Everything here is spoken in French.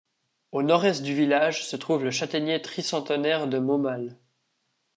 Au nord-est du village se trouve le châtaignier tri-centenaire de Momalle.